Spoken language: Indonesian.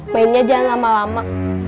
mainnya jangan lama lama